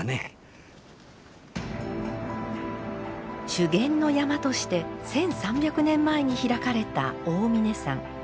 修験の山として１，３００年前に開かれた大峯山。